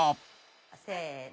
せの。